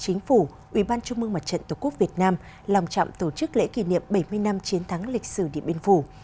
chính phủ ubnd tổ quốc việt nam lòng trọng tổ chức lễ kỷ niệm bảy mươi năm chiến thắng lịch sử điện biên phủ